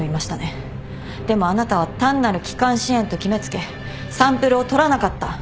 でもあなたは単なる気管支炎と決め付けサンプルをとらなかった。